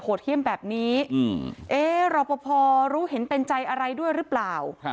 เที่ยมแบบนี้เอ๊รอปภรู้เห็นเป็นใจอะไรด้วยหรือเปล่า